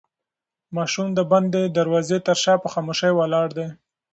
ماشوم د بندې دروازې تر شا په خاموشۍ ولاړ دی.